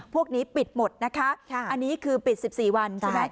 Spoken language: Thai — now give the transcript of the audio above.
พวกนี้ปิดหมดนะคะอันนี้คือปิด๑๔วันใช่ไหม